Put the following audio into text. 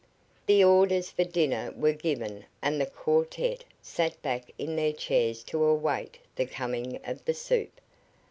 The orders for the dinner were given and the quartette sat back in their chairs to await the coming of the soup.